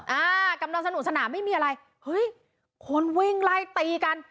อ่ากำลังสนุกสนานไม่มีอะไรเฮ้ยคนวิ่งไล่ตีกัน